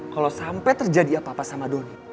kalau sampai terjadi apa apa sama doni